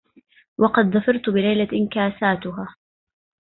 ولقد ظفرت بليلة كاساتها